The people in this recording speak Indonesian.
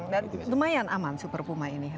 dan lumayan aman super puma ini